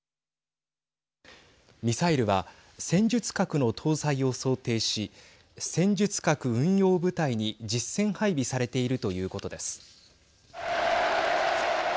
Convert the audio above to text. ミサイルは戦術核の搭載を想定し戦術核運用部隊に実戦配備されているということです。